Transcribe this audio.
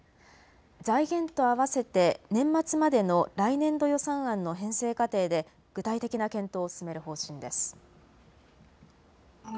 財源とあわせて年末までの来年度予算案の編成過程で具体的な検討を進める方針です。